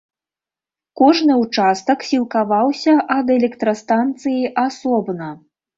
Кожны ўчастак сілкаваўся ад электрастанцыі асобна.